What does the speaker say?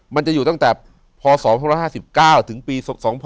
มันจะอยู่ตั้งแต่พศ๒๕๕๙ถึงปี๒๕๖๒